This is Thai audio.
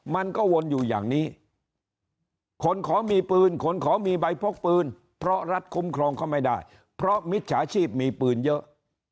มันก็วนอยู่อย่างนี้คนขอมีปืนคนขอมีใบพกปืนเพราะรัฐคุ้มครองเขาไม่ได้เพราะมิจฉาชีพมีปืนเยอะ